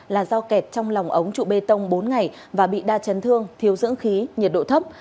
là do kẹt trong lòng ống trụ bê tông bốn ngày và bị đa chấn thương thiếu dưỡng khí nhiệt độ thấp